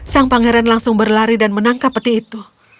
sang pangeran langsung berlari dan menangkap peti itu